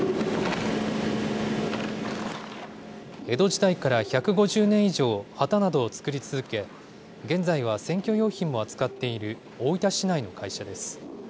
江戸時代から１５０年以上、旗などを作り続け、現在は選挙用品も扱っている大分市内の会社です。